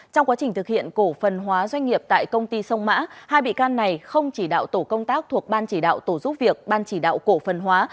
trong quá trình thực hiện cổ phần hóa doanh nghiệp tại công ty sông mã hai bị can này không chỉ đạo tổ công tác thuộc ban chỉ đạo tổ giúp việc ban chỉ đạo cổ phần hóa